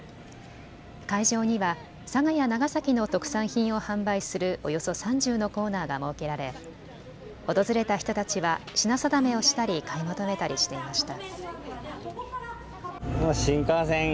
会場には佐賀や長崎の特産品を販売するおよそ３０のコーナーが設けられ、訪れた人たちは品定めをしたり買い求めたりしていました。